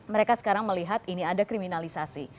mereka sekarang melihat ini ada kriminalisasi